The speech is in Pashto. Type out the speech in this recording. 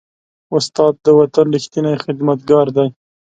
استاد د وطن ریښتینی خدمتګار دی.